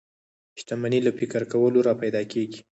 شتمني له فکر کولو را پيدا کېږي.